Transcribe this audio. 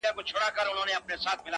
په دربار کي مي تر تا نسته ښاغلی!.